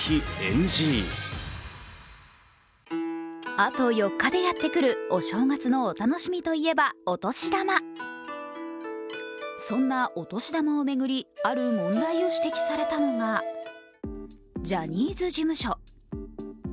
あと４日でやってくるお正月のお楽しみといえば、お年玉そんなお年玉を巡りある問題を指摘されたのがジャニーズ事務所。